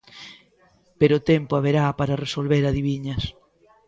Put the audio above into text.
Pero tempo haberá para resolver adiviñas.